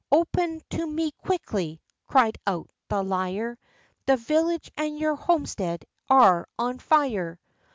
"Open to me quickly!" cried out the liar; "The village and your homestead are on fire!"